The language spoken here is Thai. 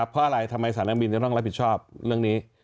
เพราะอะไรทำไมสายนักบินจะต้องรับผิดชอบเรื่องนี้